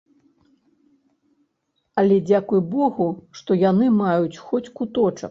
Але дзякуй богу, што яны маюць хоць куточак.